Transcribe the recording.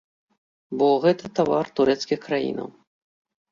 Бо гэта тавар трэціх краінаў.